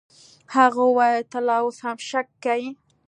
هغه وويل ته لا اوس هم شک کيې.